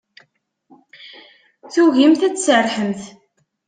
Tugimt ad tserrḥemt.